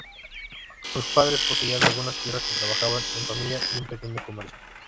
Sus padres poseían algunas tierras que trabajaban en familia y un pequeño comercio.